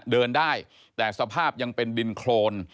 เดินได้แต่สภาพยังเป็นดินโครน